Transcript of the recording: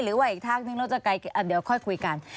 หรือว่าอีกทางหนึ่งเราจะค่อยคุยกัน